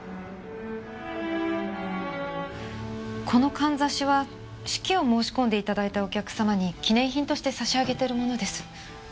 このかんざしは式を申し込んで頂いたお客様に記念品として差し上げているものです。